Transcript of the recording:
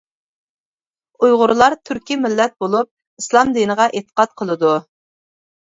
ئۇيغۇرلار تۈركىي مىللەت بولۇپ، ئىسلام دىنىغا ئېتىقاد قىلىدۇ.